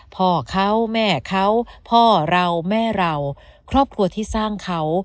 พ่อเขาแม่เขาพ่อเราแม่เราครอบครัวที่สร้างเขา